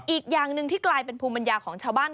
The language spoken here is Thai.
อีกอย่างหนึ่งที่กลายเป็นภูมิปัญญาของชาวบ้าน